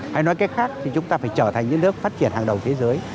hay nói cách khác thì chúng ta phải trở thành những nước phát triển hàng đầu thế giới